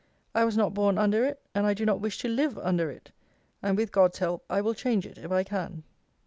I was not born under it, and I do not wish to live under it; and, with God's help, I will change it if I can.